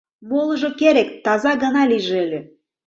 — Молыжо керек, таза гына лийже ыле.